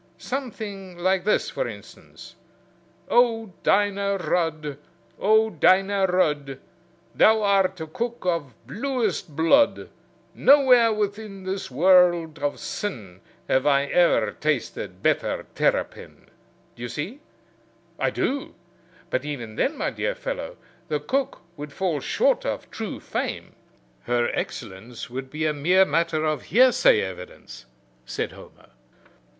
Something like this, for instance: Oh, Dinah Rudd! oh, Dinah Rudd! Thou art a cook of bluest blood! Nowhere within This world of sin Have I e'er tasted better terrapin. Do you see?" "I do; but even then, my dear fellow, the cook would fall short of true fame. Her excellence would be a mere matter of hearsay evidence," said Homer.